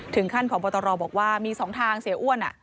ถึงขั้นของบทรบอกว่ามี๒ทางเสียอ้วนอะ